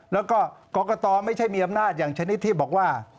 แล้วก็กรกตไม่ใช่มีอำนาจอย่างชนิดที่บอกว่า